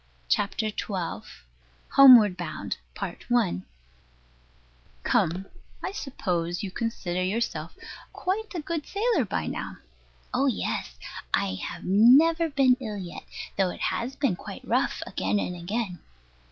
CHAPTER XII HOMEWARD BOUND Come: I suppose you consider yourself quite a good sailor by now? Oh, yes. I have never been ill yet, though it has been quite rough again and again.